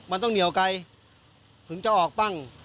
มันต้องเหนียวไกลถึงจะออกปั้ง